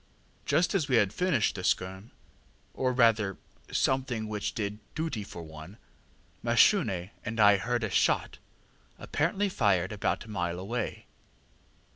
Just as we had finished the skerm, or rather something which did duty for one, Mashune and I heard a shot apparently fired about a mile away.